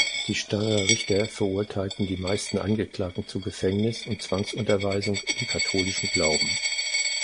Die Steyrer Richter verurteilten die meisten Angeklagten zu Gefängnis und Zwangsunterweisung im katholischen Glauben.